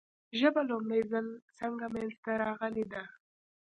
ژبه لومړی ځل څنګه منځ ته راغلې ده ؟